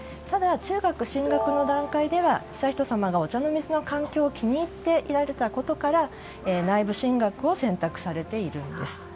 ただ、中学進学の段階では悠仁さまがお茶の水の環境を気に入っておられたことから内部進学を選択されているんです。